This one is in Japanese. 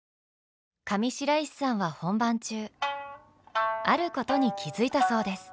上白石さんは本番中あることに気付いたそうです。